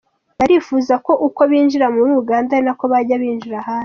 Barifuza ko uko binjira muri Uganda ari na ko bajya binjira ahandi.